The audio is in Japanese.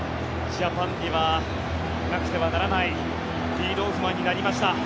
ジャパンにはなくてはならないリードオフマンになりました。